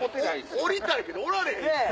おりたいけどおられへんしさ。